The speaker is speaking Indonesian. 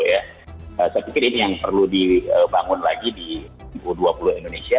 saya pikir ini yang perlu dibangun lagi di u dua puluh indonesia